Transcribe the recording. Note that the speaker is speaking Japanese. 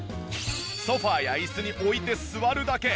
ソファや椅子に置いて座るだけ。